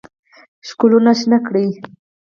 ښکلونه شنه کړي